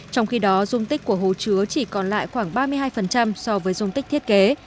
trong khi đó dung tích của hồ chứa chỉ còn lại khoảng ba mươi hai so với dung tích thiết kế